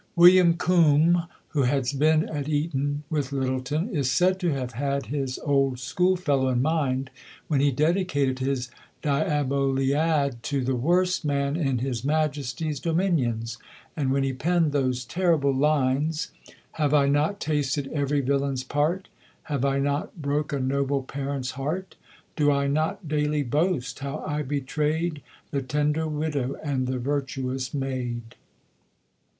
William Coombe, who had been at Eton with Lyttelton, is said to have had his old schoolfellow in mind when he dedicated his Diaboliad "to the worst man in His Majesty's Dominions," and when he penned those terrible lines: "Have I not tasted every villain's part? Have I not broke a noble parent's heart? Do I not daily boast how I betrayed The tender widow and the virtuous maid?"